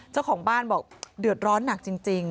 เจ้าของบ้านบอกเดือดร้อนหนักจริง